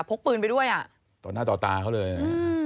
กปืนไปด้วยอ่ะต่อหน้าต่อตาเขาเลยนะ